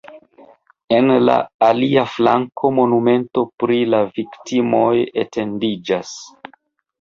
En la alia flanko monumento pri la viktimoj etendiĝas.